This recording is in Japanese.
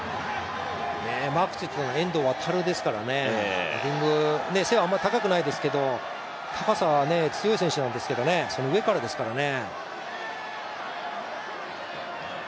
マークついていたのは遠藤航ですからね、背はあまり高くないですけど高さ、強い選手なんですけどその上からですからね。